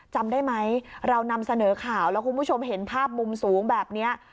จำได้ไหมเรานำเสนอข่าวแล้วคุณผู้ชมเห็นภาพมุมสูงแบบนี้